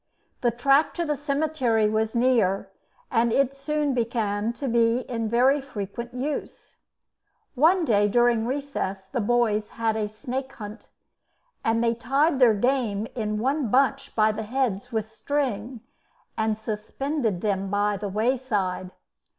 The track to the cemetery was near, and it soon began to be in very frequent use. One day during recess the boys had a snake hunt, and they tied their game in one bunch by the heads with string, and suspended them by the wayside.